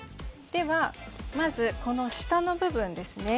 では、まず下の部分です。